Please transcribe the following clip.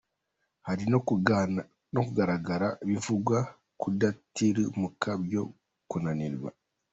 Hari no kugangarara bivuga kudatirimuka byo kunanirwa.